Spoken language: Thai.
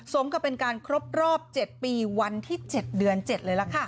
สมกับเป็นการครบรอบ๗ปีวันที่๗เดือน๗เลยล่ะค่ะ